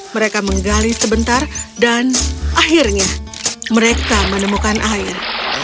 mereka menggali sebentar dan akhirnya mereka menemukan air